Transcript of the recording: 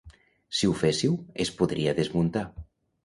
si ho féssiu, es podria desmuntar